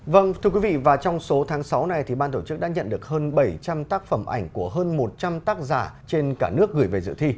vâng thưa quý vị và trong số tháng sáu này ban tổ chức đã nhận được hơn bảy trăm linh tác phẩm ảnh của hơn một trăm linh tác giả trên cả nước gửi về dự thi